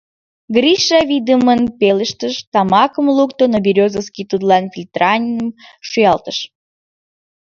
— Гриша вийдымын пелештыш, тамакым лукто, но Березовский тудлан фильтраным шуялтыш.